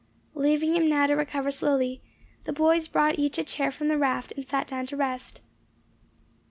Leaving him now to recover slowly, the boys brought each a chair from the raft, and sat down to rest.